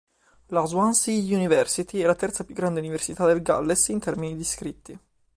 La Swansea University è la terza più grande università del Galles in termini d'iscritti.